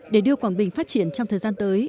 để đưa quảng bình phát triển trong thời gian tới